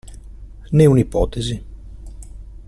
Né un'ipotesi.